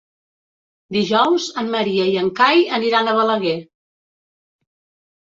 Dijous en Maria i en Cai aniran a Balaguer.